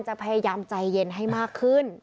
จะพยายามใจเย็นให้มากขึ้น